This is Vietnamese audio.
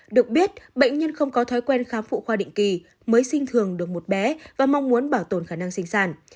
được biết bệnh nhân không có thói quen khám phụ khoa định kỳ mới sinh thường được một bé và mong muốn bảo tồn khả năng sinh sản